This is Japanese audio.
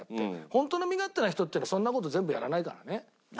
本当の身勝手な人っていうのはそんな事全部やらないからね。